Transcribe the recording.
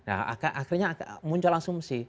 akhirnya muncul asumsi